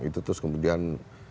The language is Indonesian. itu terus kemudian